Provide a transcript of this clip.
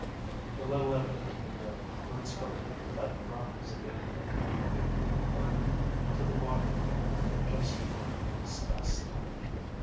The little ebony negro who had spoken let drop his daintily baited hook into the water again with a gesture of disgust.